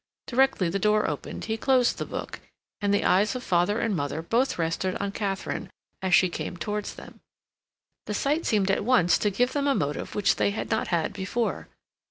Directly the door opened he closed the book, and the eyes of father and mother both rested on Katharine as she came towards them. The sight seemed at once to give them a motive which they had not had before.